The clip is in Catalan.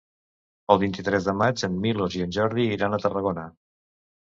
El vint-i-tres de maig en Milos i en Jordi iran a Tarragona.